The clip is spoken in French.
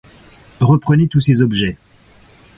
Reprenez tous ces objets.